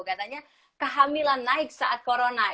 katanya kehamilan naik saat corona